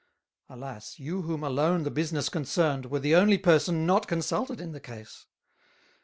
Alas, you whom alone the business concerned, were the only Person not consulted in the case.